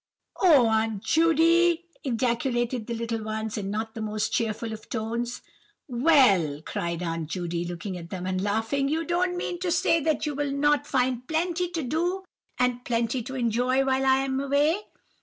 "Oh, Aunt Judy!" ejaculated the little ones, in not the most cheerful of tones. "Well," cried Aunt Judy, looking at them and laughing, "you don't mean to say that you will not find plenty to do, and plenty to enjoy while I am away?